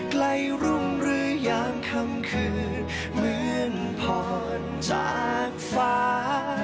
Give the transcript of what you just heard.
ใกล้รุ่งหรือยังคำคืนเหมือนผ่อนจากฟ้า